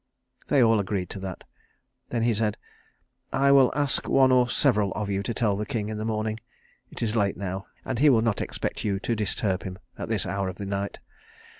They all agreed to that. Then he said, "I will ask one or several of you to tell the king in the morning. It is late now, and he will not expect you to disturb him at this hour of the night.